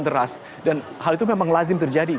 deras dan hal itu memang lazim terjadi